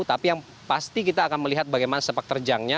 tapi yang pasti kita akan melihat bagaimana sepak terjangnya